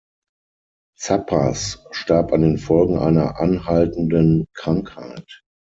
Zappas starb an den Folgen einer anhaltenden Krankheit.